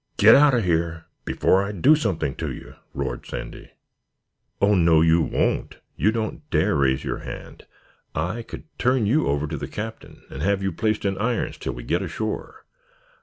"Get out of here, before I do something to you!" roared Sandy. "Oh, no you won't! You don't dare raise your hand. I could turn you over to the Captain and have you placed in irons till we get ashore.